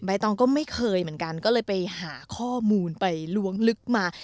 ตองก็ไม่เคยเหมือนกันก็เลยไปหาข้อมูลไปล้วงลึกมา